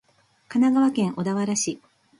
神奈川県小田原市